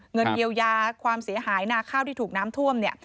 เงินเยียวยาความเสียหายนาข้าวที่ถูกน้ำท่วมเนี่ย